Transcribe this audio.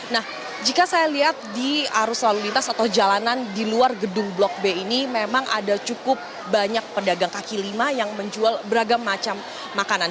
nah jika saya lihat di arus lalu lintas atau jalanan di luar gedung blok b ini memang ada cukup banyak pedagang kaki lima yang menjual beragam macam makanan